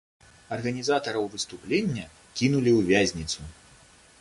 Арганізатараў выступлення кінулі ў вязніцу.